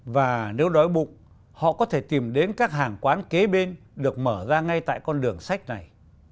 và nếu đói bụng họ có thể tìm đến các hàng quán kế bên được mở ra ngay tại con đường sách này